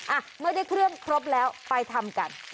อ่ะเมื่อได้เครื่องครบแล้วไปทำกัน